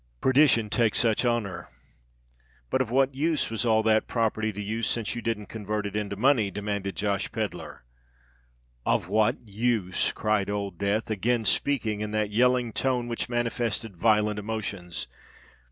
Perdition take such honour!" "But of what use was all that property to you, since you didn't convert it into money?" demanded Josh Pedler. "Of what use?" cried Old Death, again speaking in that yelling tone which manifested violent emotions.